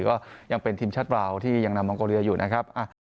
ก็ยังเป็นทีมชาติบราวที่ยังนำมองโกเลียอยู่นะครับ